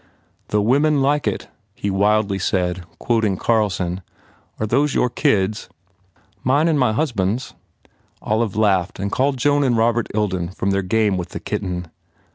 "The women like it," he wildly said, quoting Carlson. "Are those your kids?" "Mine and my husband s," Olive laughed and called Joan and Robert Ilden from their game with the kitten.